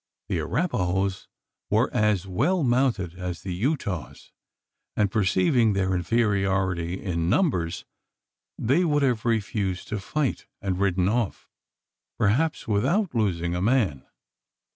The Arapahoes were as well mounted as the Utahs; and perceiving their inferiority in numbers, they would have refused to fight, and ridden off, perhaps, without losing a man.